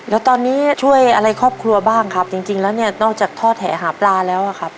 แล้วตอนนี้ช่วยอะไรครอบครัวบ้างครับจริงแล้วเนี่ยนอกจากทอดแหหาปลาแล้วอะครับ